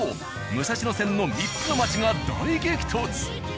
武蔵野線の３つの街が大激突！